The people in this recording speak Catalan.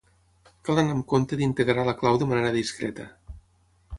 Cal anar amb compte d'integrar la clau de manera discreta.